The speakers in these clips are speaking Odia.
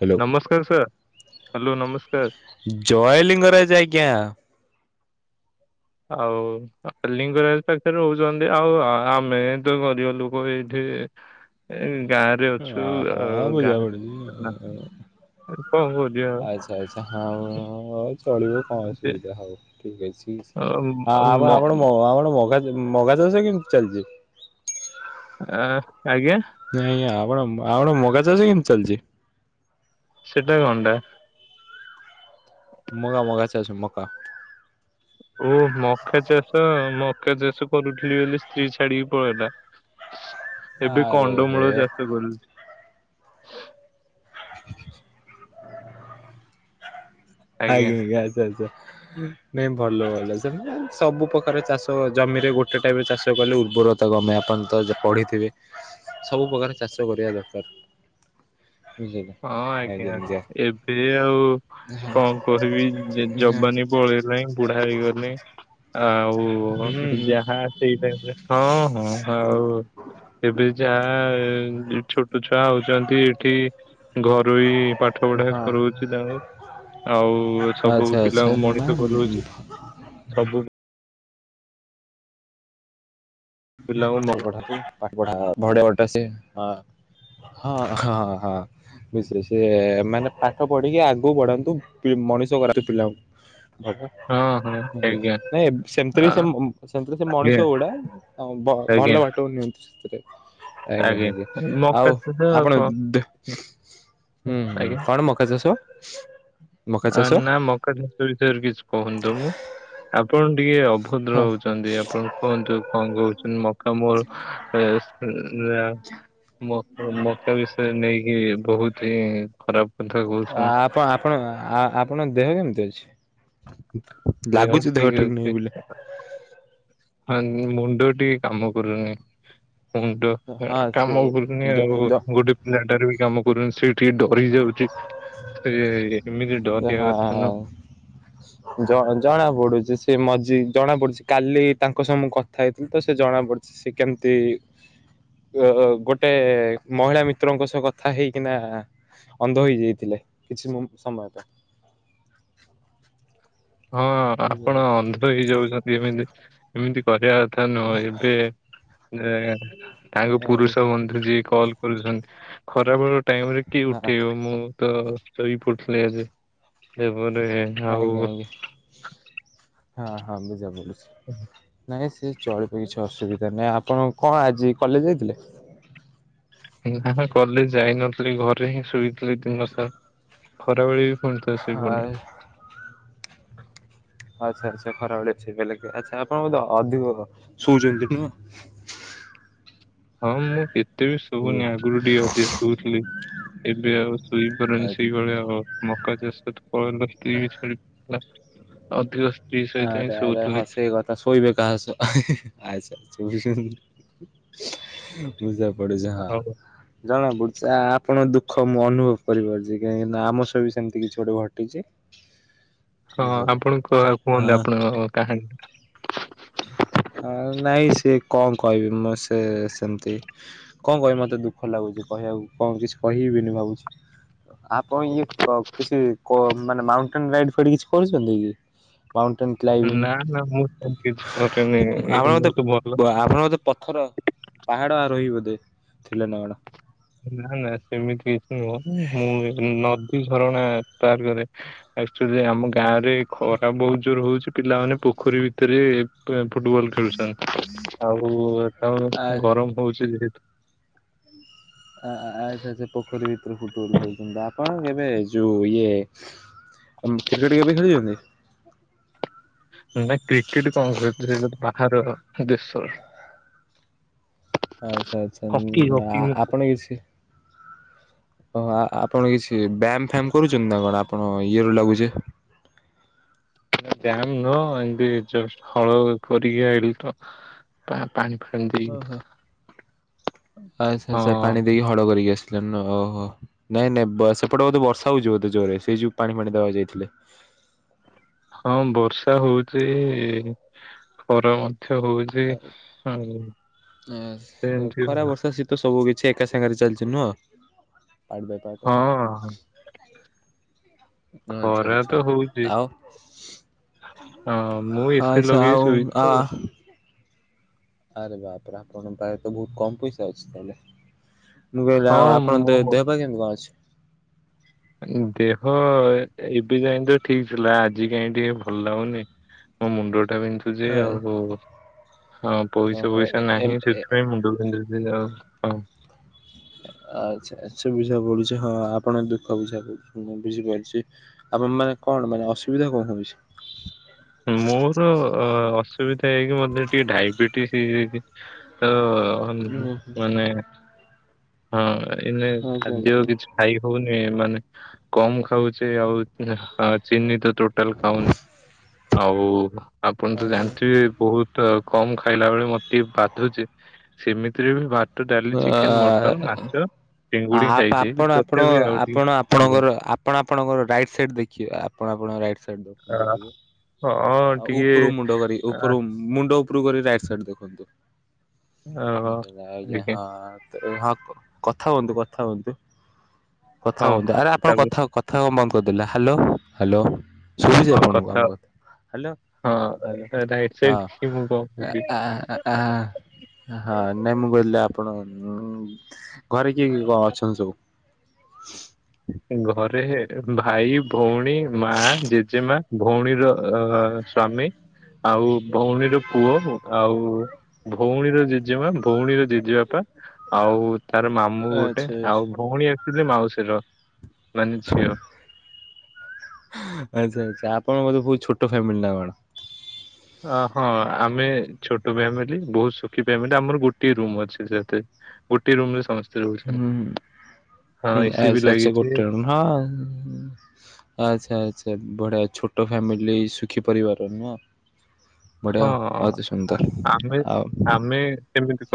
ହ୍ୟାଲୋ। ନମସ୍କାର ସାର୍ ହ୍ୟାଲୋ ନମସ୍କାର। ଜୟଲିଙ୍ଗରାଜ ଆଜ୍ଞା। ଆଉ ଲଲିଙ୍ଗରାଜ ପାଖରେ ରହୁଛନ୍ତି ଆଉ ଆମେ ତ ଗରିବ ଲୋକ ଏଇଠି ଗାଁରେ ଅଛୁ ହଁ ଗାଁରେ ବୁଝାପଡୁଛି ଆଚ୍ଛା ଆଚ୍ଛା ହଁ ଚଳିବ ଯେ, କଣସୁବିଧା ହଉ? ଠିକ ଅଛି ଆଉ ଆପଣ ମ- ଆପଣ ଆମ ମଗା? ମଗା ଚାଷ କେମିତି ଚାଲିଛି? ଅ ନାଇଁ ଆପଣ ମ ମଗା ଚାସ କେମିତି ଚାଲଛି? ସେଟା କଣଟା? ମଗା ମଗା ଚାଛ ମକା ଓ ମକା ଚାଷ ମକା ଚାଷ କରୁଥିଲି ବୋଲି ସ୍ତ୍ରୀ ଛାଡିକି ପଳେଇଲା। ଏବେ ଆରେ ହେ କଣ୍ଡମୂଳ ଚାଷ କରୁଛି। [inaudible] ଆଜ୍ଞା ଆଚ୍ଛା ଆଚ୍ଛା। ନାଇଁ ଭଲ ଭଲ ସେ ସବୁ ପ୍ରକାର ଚାଷ ଜମିରେ ଗୋଟେ ଟାଇପରେ ଚାଷ କଲେ ଉର୍ବର ରତା କମେ ଆପଣ ତ ପଢିଥିବେ ସବୁ ପ୍ରକାର ଚାଷ କରିବା ଦରକାର। ବୁଝିଲେ। ହଁ ଆଜ୍ଞା ଏବେ ଆଉ କଣ? କହିବି ହୁଁ ଯବାନୀ ପଳେଇଲାହିଁ ବୁଢା ହେଇଗଲେଣି। ଆଉ ହୁଁ। ଯାହା ସେଇ ଟାଇମରେ ହଁ ହଁ ଆଉ। ଏବେ ଯାହା ଛୋଟ ଛୁଆ ହଉଛନ୍ତି ଏଠି ଘରୋଇ ପାଠ ପଢା ହଁ କରଉଛି ତାଙ୍କୁ। ଆଉ ସବୁ ଆଚ୍ଛା ଆଚ୍ଛା ପିଲାଙ୍କୁ ମଣିଷ ନାଇଁ କରଉଛି ସବୁ। ପିଲାଙ୍କୁ ମ- [unintelligible] ଭଡ଼ିଆ ଭଟା ସେ ହଁ ହଁ ହଁ। ୟେସ ୟେସ ସେ ମାନେ ପାଠ ପଢିକି ଆଗକୁ ପଢାନ୍ତୁ ପି ମଣିଷ କରାନ୍ତୁ ପିଲାଙ୍କୁ ହଁ ହଁ ଆଜ୍ଞା ନାଇଁ ସେମତିରେ ଆ, ସେ ମ ସେମତି ରେ ସେ ଆଜ୍ଞା ମଣିଷ ଗୁଡା ହଁ ଆଜ୍ଞା ଭଲ ବାଟକୁ ନିଅନ୍ତି ସେଥିରେ ଆଜ୍ଞା ଆଞା ମକା ଆଉ ଚାଷ ଆଉ ଆପଣ? କଣ ହୁଁ ହ ଆଜ୍ଞା କଣ ମକା ଚାଷ? ମକା ଚାଷ? ନା ମକା ଚାଷ ବିଷୟରେ କିଛି କହୁନି ତ ମୁଁ ଆପଣ ଟିକେ ଅ ହଁ ଭଦ୍ର ହଉଛନ୍ତି ଆପଣ କୁହନ୍ତୁ କଣ କହୁଛନ୍ତି ମକା ମୋ ଯ ମକା ମକା ବିଷୟରେ ନେଇକି ବହୁତି ଖରାପ କଥା କହୁଛନ୍ତି। ଆପଣ ଆପଣ ଆପଣଙ୍କ ଦେହ କେମିତି ଅଛି? ଲାଗୁଛି ଦେହ ଠିକ ନାହିଁ ବୋଲି ହଁ ମୁଣ୍ଡ ଟିକେ କାମ କରୁନି। ମୁଣ୍ଡ ହଁ ସେ କାମ କରୁନି ଜ ଆଉ ଜ ଗୋଟେ ପିଲାଟାରେ ବି କାମ କରୁନି ସେ ଟିକେ ଡରି ଯାଉଛି। ସେ ଏମିତି ଡରିଆ ଯାହା କଥା ନୁହ ଜ ଜଣାପଡୁଛି ସେ ମଝି ଜଣାପଡୁଛି କାଲି ତାଙ୍କ ସହ ମୁଁ କଥା ହେଇଥିଲି ତ ସେ ଜଣା ପଡୁଛି ସେ କେମତି ତି ଗୋଟେ ମହିଳା ମିତ୍ରଙ୍କ ସହ କଥା ହେଇକିନା ଅନ୍ଧ ହେଇଯାଇଥିଲେ କିଛି ସମୟ ତ ହଁ ଆପଣ ଅନ୍ଧ ହେଇଯାଉଛନ୍ତି ଏମିତି ଏମିତି କରିବା ଥା ନୁହ ଏବେ ତାଙ୍କ ଏ ହଁ ପୁରୁଷ ବନ୍ଧୁ ଯିଏ କଲ କରୁଛନ୍ତି ଖରାପ ଟାଇମ ରେ କିଏ ଆଜ୍ଞା ଉଠେଇବ ମୁଁ ତ ଶୋଇ ପଡୁଥିଲି ହନ ଆଉ ଆଜ୍ଞା ହଁ ହଁ ବୁଝା ପଡୁଛି ନାଇଁ ସେ ସେ ଚଳିବ କିଛି ଅସୁବିଧା ନାହିଁ ଆପଣ କଣ ଆଜି କଲେଜ ଯାଇଥିଲେ? ନା କଲେଜ ଯାଇନଥିଲି ଘରେ ହିଁ ଶୋଇଥିଲି ଦିନ ସାର ଖରାବେଳେ ଫୁଣି ଥରେ ଶୋଇପଡ଼ିଲି। ହଁ ଆଛା ଆଛା ଖରାବେଳା ଅଛି ବେଲି କି ଆଛା ଆପଣ ବୋଧେ ଅଧିକ ଶଉଛନ୍ତି ନା। [inaudible] ହଁ ମୁଁ କେତେ ବି ଶୋଉନି ଆଗରୁ ଟିକେ ଅଧିକ ଶୋଉଥିଲି। ଏବେ ଆଉ ଶୋଇପାରୁନି ସେଇଭଳିଆ ଆଉ ମକା ସେ ତ ପଳେଇଲା ସ୍ତ୍ରୀ ବି ଛାଡି ଅଧିକ ସ୍ତ୍ରୀ ସହିତ ହିଁ ଆରେ ଆରେ ହ ଶୋଉଥିଲି ସେଇ କଥା ଶୋଇବେ କାହା ସହ ହିହିହି ବୁଝିଲି। ବୁଝା ପଡୁଛି ହଁ ଆଉ ଜଣା ପୁଡୁଛି ଆପଣ ଦୁଃଖ ମୁଁ ଅନୁଭବ କରିପାରୁଛି କାହିଁକି ନା ଆମ ସହ ବି ସେମିତି କିଛି ଗୋଟେ ଘଟିଛି। [inaudible] ହଁ ବୁଝିଲେ ଆପଣଙ୍କ ଆଉ କୁହନ୍ତୁ ଆପଣଙ୍କ କାହାଣୀ। ହ। ହଁ ନାଇଁ ସିଏ କଣ କହିବି ମୁଁ ସେ ସେମିତି କଣ କହିବି ମତେ ଦୁଃଖ ଲାଗୁଛି। କହିବାକୁ କଣ କିଛି କହିବିନି ଭାବୁଛି। ଆପଣ ଇଏ କିଛି ମାନେ ମାଉଣ୍ଟେନ ରାଇଡ ଫାଇଡ କିଛି କରୁଛନ୍ତି କି। ମାଉଣ୍ଟେନ୍ ନା ନା ମୁଁ କ୍ଲାଇବିଙ୍ଗ ତ। ସେମିତି କିଛି କରେନି ଏ ଆପଣ ମୁଁ ତ ଭଲ ବୋଧେ ଆପଣ ବୋଧେ ପଥର ପାହାଡ ରହିବ ବୋଧେ। ଥିଲେ ନା କଣ। ନା ନା ସେମିତି କିଛି ନୁହଁ ମୁଁ ନଦୀ ଝରଣା ପାର୍ କରେ। ଆମ ଗାଁ ରେ ଖରା ବହୁତ ଜୋର ହଉଛି ପିଲାମାନେ ପୋଖରୀ ଭିତରେ। ଫୁଟବଲ୍ ଖେଳୁଛନ୍ତି ଆଉ ଏଟା ଆ ଗରମ ହଉଛି ଯେହେତୁ। ଆ ଆଚ୍ଛା ସେ ପୋଖରୀ ଭିତର ଫୁଟବଲ୍ ଖେଳୁଛନ୍ତି ଆପଣ କେବେ ଯୋଉ ଇଏ। କ୍ରିକେଟ କେବେ ଖେଳୁଛନ୍ତି। ନା କ୍ରିକେଟ କଣ ସେଇଟା ତ ବାହାର ଦେଶର। ଆଛା ହକି ଆଚ୍ଛା ହକି ଆପଣ କିଛି। ଓ ଆପଣ କିଛି ବ୍ୟାୟାମ ଫ୍ୟାମ କରୁଛନ୍ତି ନା କଣ ଆପଣ ଇଏ ରୁ ଲାଗୁଛି। [unintelligible] ନା ବ୍ୟାୟାମ ନୁହେଁ ଏମତି ଜଷ୍ଟ ହଳ କରିକି ଆଇିଲ ତ ପାଣି ଫାଣି ଦେଇକି ଓହୋ ଆଚ୍ଛା ହଁ ଆଚ୍ଛା ପାଣି ଦେଇକି ହଡ କରିକି ଆସିବ ଓହୋ ନାଇଁ ନାଇଁ ସେପଟେ ବୋଧେ ବର୍ଷା ହଉଛି ବୋଧେ ଜୋରରେ ସେଇ ଯୋଉ ପାଣି ଫାଣି ଦେବାକୁ ଯାଇଥିଲେ [unintelligible] ହଁ ବର୍ଷା ହଉଚି ଖର। ଆ ସେମିତି ଖରା ବର୍ଷା ଶୀତ ସବୁ କିଛି। ସେ ଏକା ସାଙ୍ଗରେ ଚାଲିଛି ନୁହଁ ଆଡ ବାଇ ପାର୍ଟ। ହଁ। ଆଚ୍ଛା ଖରା ତ ହଉଛି ଆଛା ଆଉ। ହଁ ମୁଁ ଏସି ଆଚ୍ଛା ଲଗେଇ ଆଉ ଆ। ଶୋଇଛି ଆଉ ଆରେ ବାପରେ ଆପଣଙ୍କ ପାଖରେ ତ ବହୁତ କମ ପଇସା ଅଛି ତାହେଲେ। ମୁଁ କହିଲି ଆଉ ହଁ ମୋ ଆପଣଙ୍କ ଦେହ ପାହ କେମିତି କଣ ଅଛି। ଦେହ ଏବେ ଯାଇ ତ ଠିକ ଥିଲା ଆଜି କାହିଁ ଟିକେ ଭଲ ଲାଗନି। ମୋ ମୁଣ୍ଡ ଟା ବିନ୍ଧୁଛି ଆଉ। ହଁ ପଇସା ଓହୋ ଏ ପଇସା ନାହିଁ ଏ ସେଥିପାଇଁ ମୁଣ୍ଡ ପିନ୍ଧୁଛି ଆଉ ହଁ। [unintelligible] ଆଛା ଆଛା ବୁଝା ପଡ଼ୁଛି ହଁ ଆପଣ ଦୁଃଖ ବୁଝାପଡୁଛି ବୁଝିପାରୁଛି ଆପଣ ମାନେ। କଣ ମାନେ ଅସୁବିଧା କଣ ହେଉଛି। ମୋର ଅ, ଅସୁବିଧା ଏହିକି ମତେ ଟିକେ ଡାଇବେଟିସ୍ ହେଇଯାଇଛି ତ। ଓହୋ ମାନେ ହଁ ଏମିତି ଆଚ୍ଛା ଖାଦ୍ୟ ଆଚ୍ଛା। କିଛି ଖାଇ ହଉନି। ମାନେ କମ ଖାଉଛେ ଆଉ ଚିନି ତ ଟୋଟାଲ ଖାଉନି। ଆଉ ଆପଣ ତ ଜାଣିଥିବେ ବହୁତ। କମ ଖାଇଲା ବେଳେ ମତେ ବାଧୁଛି ସେମିତିରେ ବି ବା। ଡାଲି ଆ ଚିକେନ ମଟନ୍ ମାଛ? ଚିଙ୍ଗୁଡି ଖାଇଛି ଆପଣ ଆପଣ ତଥାପି ଆଉ ଟିକେ ଆପଣ ଆଜ୍ଞା ଆପଣଙ୍କର ଆପଣ ଆପଣଙ୍କର ରାଇଟ୍ ସାଇଡ ଦେଖେ ଆପଣ। ଆ, ହଁ [unintelligible] ଟିକେ ଉପୁରୁ ମୁଣ୍ଡ ଆ, କରିକି। ମୁଣ୍ଡ ଉପରୁ କରି ରାଇଟ ସାଇଡ ଦେଖନ୍ତୁ। [unintelligible] ଆଜ୍ଞା ହଁ ହଁ କଥା ହୁଅନ୍ତୁ କଥା ହୁଅନ୍ତୁ। କଥା ହଁ। ହୁଅନ୍ତୁ ଆରେ ଆପଣ ତାପରେ କଥା କଥା କଣ ବନ୍ଦ କରିଦେଲେ ହ୍ୟାଲୋ ହ୍ୟାଲୋ। ଶୁଭୁଛି ଆପଣଙ୍କୁ ଆମ କଥା। ହ୍ୟାଲୋ ହଲୋ ହଁ ରାଇଟ ସାଇଡ ହଁ। କି ମୁଁ କଣ କହିବି ହଁ ନାଇଁ ମୁଁ କହିଲି। ଆପଣ ଘରେ କିଏ ଅଛନ୍ତି ସବୁ। ଘରେ। ଭାଇ ଭଉଣୀ ମା ଜେଜେମା ଭଉଣୀର ସ୍ୱାମୀ। ଆଉ ଭଉଣୀର ପୁଅ ଆଉ ଭଉଣୀର ଜେଜେମା ଭଉଣୀର ଜେଜେବାପା। ଆଉ ତାର ମାମୁଁ ଗୋଟେ ଆଚ୍ଛା ଆଚ୍ଛା। ଆଉ ଭଉଣୀ ଆସିଥିଲେ ମାଉସୀର। ମାନେ ଝିଅ। ଆଚ୍ଛା ଆଚ୍ଛା। ଆପଣ ବୋଧେ ବହୁତ ଛୋଟ ଫ୍ୟାମିଲି ନା କଣ। ଅ ହଁ ଆମେ ଛୋଟ ଫ୍ୟାମିଲି ବହୁତ ସୁଖୀ ଫ୍ୟାମିଲି ଆମର ଗୋଟେ ରୁମ୍ ଅଛି ସେତ। ଗୋଟିଏ ରୁମ ରେ ସମସ୍ତେ ହୁଁ। ରହୁଛନ୍ତି। ହଁ ହୁଁ ଏସି ବି ଆଚଛା ଆଚ୍ଛା ଲାଗିଛି ଗୋଟେ ହଁ ଆଚ୍ଛା ଆଚ୍ଛା ବଡ଼ିଆ। ଛୋଟ ଫ୍ୟାମିଲି ସୁଖୀ ପରିବାର ନୁହଁ । ହଁ ଆମେ ଆଉ ଆମେ ସେମତି।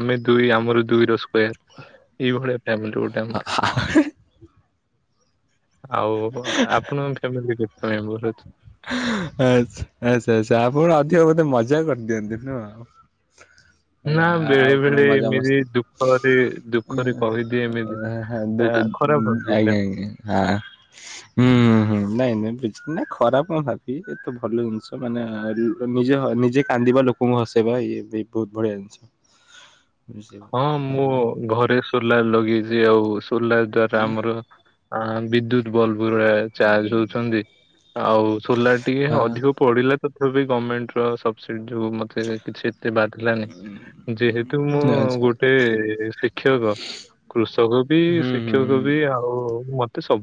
ଆମେ ଦୁଇ ଆମର ଦୁଇ ର ସ୍କେୟାର ଏଇଭଳିଆ ଫାମିଲ ଗୋଟେ ଆମର। ଆଉ ଆପଣଙ୍କ ଫ୍ୟାମିଲି କେତେ ମେମ୍ବର ରହୁଛ। ଆଛ ଆଚ୍ଛା ଆଚ୍ଛା ଆପଣ ଅଧିକ ବୋଧେ ମଜା କରିଦିଅନ୍ତି ନୁହଁ। ନା [inaudible] ବେଳେ ଆଉ କଣ ବେଳେ ମଜା ଏମିତି ମସ୍ତି ଦୁଃଖରେ ଦୁଃଖରେ ଦୂ। କହିଦିଏ ଏମିତି ଆ, ଖରାପ ଭାବିବେନି ଆଜ୍ଞା ଆପଣ। ଆଜ୍ଞା ହାଁ ହୁଁ ହୁଁ ନାଇଁ ନାଇଁ କିଛି ନାଇଁ ଖରାପ। କଣ ଭାବି ଏତ ଭଲ ଜିନିଷ ମାନେ ନିଜେ ନିଜେ କାନ୍ଦିବା ଲୋକଙ୍କୁ ହସେଇବା ଇଏ ବି ବୋହୁତ। ବଢିଆ ଜିନିଷ। ବୁଝିଲ ହଁ ମୁଁ ଆଜ୍ଞା ଘରେ ସୋଲାର ଲଗେଇଛି ଆଉ ସଲାର ଦ୍ଵାରା ଆମର। ହଁ ବିଦ୍ୟୁତ୍ ବଲ। ଚାର୍ଜ ହଉଛନ୍ତି ଆଉ ସୋଲାର ଟିକେ ଅଧିକ ହଁ ପଡିଲା ତ। ବି ଗଭର୍ଣ୍ଣମେଣ୍ଟ ସବସିଡି। ଯୋଉ ମତେ କିଛି ଏତେ ବାଧିଲାନି ଯେହେତୁ ମୁଁ। ଆଚ୍ଛା ଗୋଟେ ଶିକ୍ଷକ କୃଷକ ବି ହୁଁ ହୁଁ ଶିକ୍ଷକ ବି ହୁଁ ଆଉ।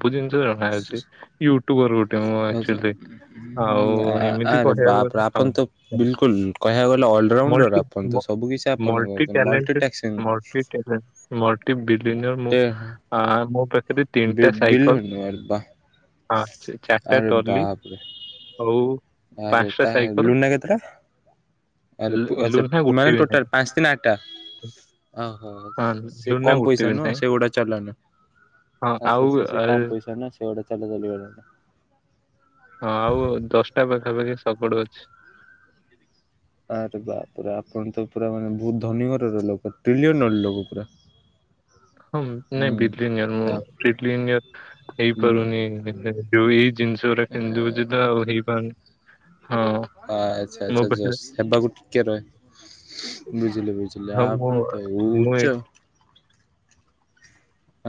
ସବୁ ଜିଷ ଜଣାଛି ୟୁଟୁବର ଗୋଟେ ମୁଁ ଆଚ୍ଛା ଆଚ୍ୱେଲି ହୁଁ, ଆଉ ଆ- ଏମିତି ଆରେ କହିବାକୁ ଗଲେ। ହଁ ଆପଣ ତ ବିଲକୁଲ କହିବାକୁ ଗଲେ ଅଲରାଉଣ୍ଡର ମଲ୍ଟି ଆପଣ ତ ସବୁ କିଛି ଆପଣଙ୍କ ମଲ୍ଟି। ଟି ମୁଁ ମୋ [unintelligible] ତିନିଟା ବିଲୁନ ସାଇକେଲ ଆରେ ବା ହଁ ଚାରିଟା ଆରେ ଟଲି। ବାପରେ। ଆଉ ଆରେ ପାଞ୍ଚଟା ତା ସାଇକେଲ। ଲୁନା କେତେଟା ଆରେ ଆଛା ଲୁନା ମାନେ ଗୋଟେ ବି ଟୋଟାଲ ପାଞ୍ଚ ତିନି ଆଠଟା। ନାହିଁ। ଓହୋ ହଁ ସେ ଲୁନା କମ ଗୋଟେ ପଇସା ବି ନୁହ ନାହିଁ ସେଗୁଡା ଚାଲାଅନା। ହଁ ଆଉ ଆଛା ଆଛା ଆ, ସେ ହଁ, କମ ପଇସା ନା ସେ ଗୋଟା ଚାଲା ଚାଲିିବାନି। ହଁ ଆଉ ଦଶଟା ପାଖାପାଖି ସଗଡ଼ ଅଛି। ଆରେ ବା ପୁରା ଆପଣ ତ ପୁରା ମାନେ ବହୁତ ଧନୀ ଘରର ଲୋକ ଟ୍ରିଲିୟନର ଲୋକ ପୁରା। ହୁଁ [inaudible] ହଁ ନାଇଁ [unintelligible] ମୁଁ ଆ- ହୁଁ, ହେଇପାରୁନିଉ। ଜିଷରେ କିଣି ଦୋଉଛି ତ ଆଉ ହେଇପଣି। ଆଚ୍ଛା ଆଚ୍ଛା ଜସ୍ ହେବାକୁ ଟିକେ ରହେ। ବୁଝିଲ ବୁଝିଲ ହଁ ମୁଁ ଆପଣ ମୁଁ ଏ ଉଚ୍ଚ।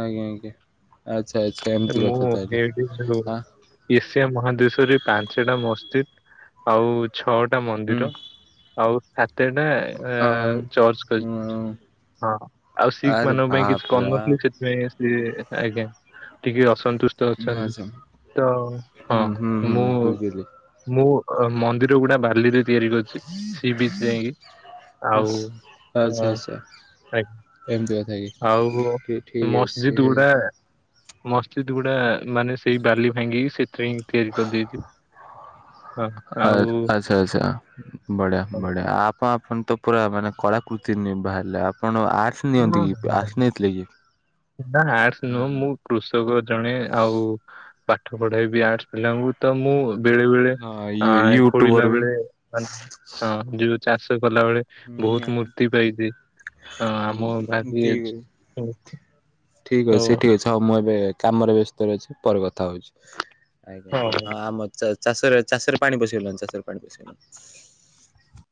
ଆଜ୍ଞା ଆଜ୍ଞା ଆଛ୍ ମୁଁ ଏଇଠି ଯୋଉ ଆ ରହୁ ମହାଦେଶରେ ପାଞ୍ଚଟା ମସ୍‌ଜିଦ୍‌ ଆଉ ଛଅ ଟା ହୁଁ ମନ୍ଦିର ଆଉ ସାତେଟା ଆଁ ଚର୍ଚ୍ଚ କରି ହୁଁ ହଁ ଆଉ ଶିଖ୍ ଆରେ ମାନଙ୍କ ପାଇଁ କିଛି ବାପରେ ଆ କରିନଥିଲେି ସେଥିପାଇଁ ସିଏ ଆଜ୍ଞା ଟିକେ ଅସନ୍ତି ଦୁଷ୍ଟ ଅଛନ୍ତି ଆଚ୍ଛା ତ ହଁ ହୁଁ ହୁଁ ହୁଁ ମୁଁ ବୁଝିଲି ମୁଁ ଅ ମନ୍ଦିର ଗୁଡା ବାର୍ଲିରେ ତିଆରି କରିଚି ସି ବିଚ୍ ଯାଇକି ଆଉ ଆସ୍ ହଁ ଆଚ୍ଛା ଆଚ୍ଛା। ଏମିତି କଥା କି ଆଜ୍ଞା ଆଉ ଠି ଠିକ୍ ଅଛି। ମସଜିଦ୍ ଗୁଡା ମସ୍ଜିତ ଗୁଡା ମାନେ ସେଇ ବାଲି ଭାଙ୍ଗି ତିଆରି କରି ଦେଇଛି ହଁ ଆଉ ବଢିଆ ହଁ, ବଢିଆ ଆପଣ ଆପଣ ତ ପୁରା ମାନେ କଳାକୃତି ନିର୍ ବାହାରିଲେ ଆପଣ ସେ ନିଅନ୍ତି କିନ୍ତୁ ଆସି ନେଇ ଥିଲେ କି? ନା ଆର୍ଡ଼ସ୍‌ ହୁଁ ନୁହଁ ହୁଁ। ମୁଁ କୃଷକ ଜଣେ ଆଉ ପାଠ ପଢ଼ାଇବି ଆର୍ଟସ ପିଲାଙ୍କୁ ତ ମୁଁ ବେଳେ ବେଳେ ହଁ ଅ ୟୁଟ୍ୟୁବର ଖୋଳିଲା ବି। ବେଳେ ମାନେ ହଁ ଯେ ଚାଷ କଲା ବଳେ ହୁଁ ବହୁତ ମୂର୍ତ୍ତି ପାଇଛି ହଁ। ବାକି ଠିକ୍ ଅଛି ଠିକ୍ ଅଛି ହଉ ମୁଁ ଏବେ କାମରେ ବ୍ୟସ୍ତରେ ଅଛି ପର କଥା ହଉଚୁ ଆଜ୍ଞା ଆଜ୍ଞା ହଁ ଆମର ଚା ଚାଷରେ ଚାଷରେ ପାଣି ପଶି ଗଲା ଚାଷରେ ପାଣି ପଶି ଗଲା।